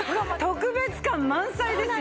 特別感満載ですよ！